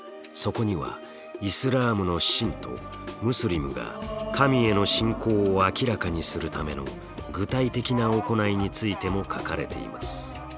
そこにはイスラームの信徒ムスリムが神への信仰を明らかにするための具体的な行いについても書かれています。